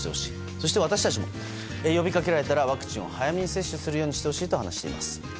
そして私たちも呼びかけられたらワクチンを早めに接種してほしいと話しています。